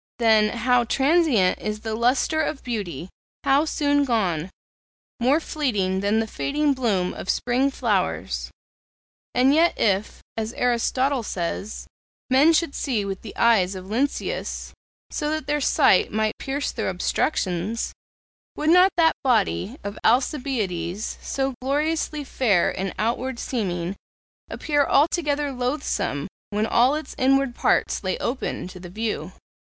Then, how transient is the lustre of beauty! how soon gone! more fleeting than the fading bloom of spring flowers. And yet if, as Aristotle says, men should see with the eyes of Lynceus, so that their sight might pierce through obstructions, would not that body of Alcibiades, so gloriously fair in outward seeming, appear altogether loathsome when all its inward parts lay open to the view?